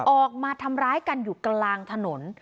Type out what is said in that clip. ออกมาทำร้ายกันอยู่กลางถนน